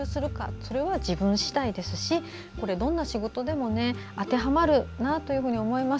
それは自分次第ですしどんな仕事でも当てはまるなと思います。